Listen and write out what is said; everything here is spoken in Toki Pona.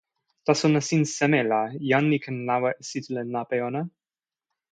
taso nasin seme la jan li ken lawa e sitelen lape ona?